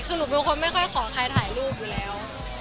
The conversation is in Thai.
คือหนูเป็นคนไม่ไปถ่ายรูปอีกแล้ว